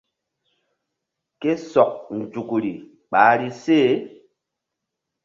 Ke sɔk nzukri ɓahri se.